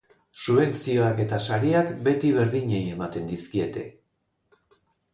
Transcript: Subentzioak eta sariak beti berdinei ematen dizkiete.